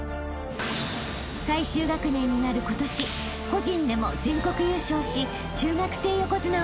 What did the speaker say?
［最終学年になる今年個人でも全国優勝し］